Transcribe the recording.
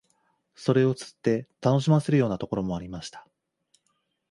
それを釣って楽しませるようなところもありました